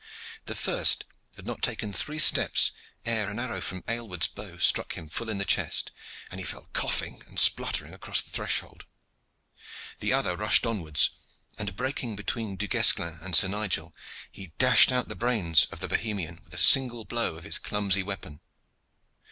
The first had not taken three steps ere an arrow from Aylward's bow struck him full in the chest, and he fell coughing and spluttering across the threshold. The other rushed onwards, and breaking between Du Guesclin and Sir Nigel he dashed out the brains of the Bohemian with a single blow of his clumsy weapon.